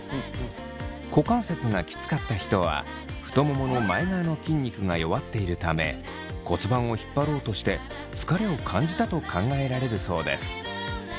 股関節がキツかった人は太ももの前側の筋肉が弱っているため骨盤を引っ張ろうとして疲れを感じたと考えられるそうです。